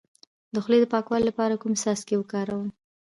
د خولې د پاکوالي لپاره کوم څاڅکي وکاروم؟